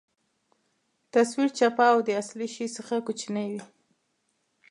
تصویر چپه او د اصلي شي څخه کوچنۍ وي.